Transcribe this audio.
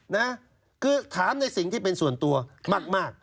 นะคือถามในสิ่งที่เป็นส่วนตัวมาก